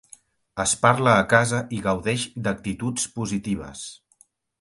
Es parla a casa i gaudeix d'actituds positives.